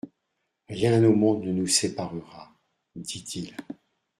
—Rien au monde ne nous séparera,» dit-il.